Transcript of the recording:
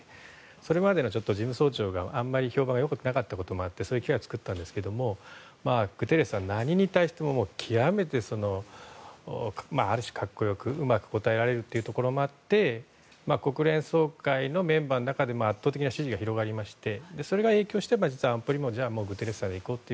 それまでの事務総長があまり評判が良くないこともあってそういうことになったんですがグテーレスさん、何に対してもある種、格好よくうまく答えられるということもあって国連総会のメンバーの中でも圧倒的な支持が広がりましてそれが影響して、安保理もグテーレスさんでいこうと